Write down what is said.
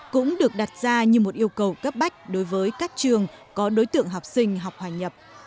cũng được đặt ra như một yêu cầu cấp bách đối với các trường có đối tượng học sinh học hoàn nhập